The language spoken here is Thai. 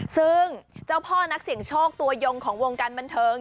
ซึ่งเจ้าพ่อนักเสี่ยงโชคตัวยงของวงการบันเทิง